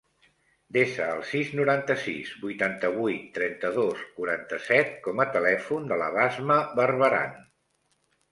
Desa el sis, noranta-sis, vuitanta-vuit, trenta-dos, quaranta-set com a telèfon de la Basma Barberan.